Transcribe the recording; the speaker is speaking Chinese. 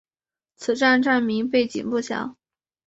此站站名背景不详。